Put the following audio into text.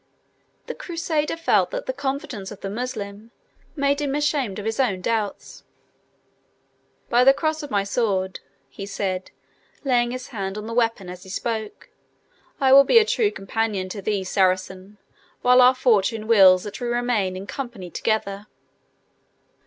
The Crusader felt that the confidence of the Moslem made him ashamed of his own doubts. "By the cross of my sword," he said, laying his hand on the weapon as he spoke, "I will be true companion to thee, Saracen, while our fortune wills that we remain in company together."